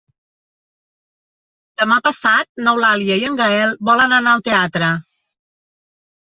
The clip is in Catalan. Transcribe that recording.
Demà passat n'Eulàlia i en Gaël volen anar al teatre.